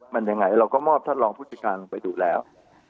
มันยังไงเราก็มอบท่านรองผู้จัดการลงไปดูแล้ว